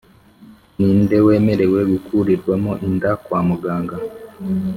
Ni nde wemerewe gukurirwamo inda kwa muganga